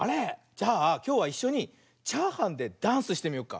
じゃあきょうはいっしょにチャーハンでダンスしてみようか。